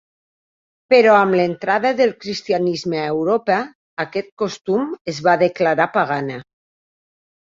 Però amb l'entrada del cristianisme a Europa, aquest costum es va declarar pagana.